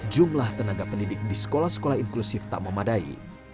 jumlah tenaga pendidik di sekolah sekolah inklusif tak memadai